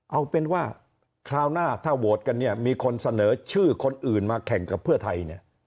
เอาเป็นว่าคราวหน้าถ้าโหวตกันเนี่ยมีคนเสนอชื่อคนอื่นมาแข่งกับเพื่อไทยเนี่ย